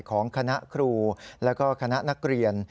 ของคณะครูแล้วก็คณะนักเรียน